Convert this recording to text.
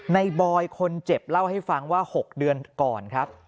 บอยคนเจ็บเล่าให้ฟังว่า๖เดือนก่อนครับ